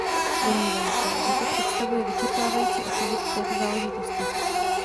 Domnívám se, že to představuje vyčerpávající odpověď k této záležitosti.